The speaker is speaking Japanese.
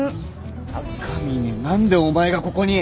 赤嶺何でお前がここに。